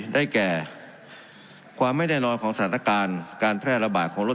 ได้แก่ความไม่แน่นอนของสถานการณ์การแพร่ระบาดของรถ